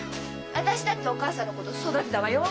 私だってお母さんのこと育てたわよ。